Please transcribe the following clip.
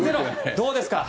どうですか？